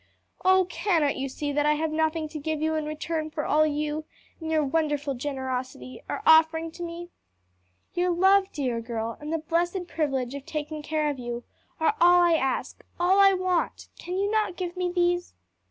Oh cannot you see that I have nothing to give you in return for all you in your wonderful generosity are offering to me?" "Your love, dear girl, and the blessed privilege of taking care of you, are all I ask, all I want can you not give me these?"